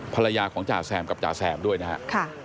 ภรรยาของจ่าแซมกับจ่าแซมด้วยนะครับ